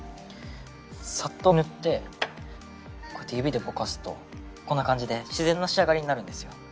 サッと塗ってこうやって指でぼかすとこんな感じで自然な仕上がりになるんですよ。